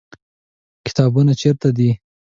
کتابتون چیرته دی؟